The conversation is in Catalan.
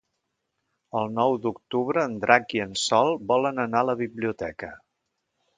El nou d'octubre en Drac i en Sol volen anar a la biblioteca.